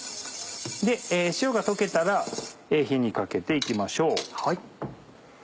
塩が溶けたら火にかけて行きましょう。